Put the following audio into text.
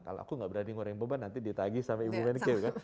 kalau aku gak berani ngurangi beban nanti ditagih sama ibu merike